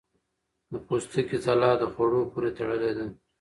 د پوستکي ځلا د خوړو پورې تړلې ده.